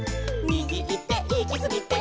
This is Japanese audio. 「みぎいっていきすぎて」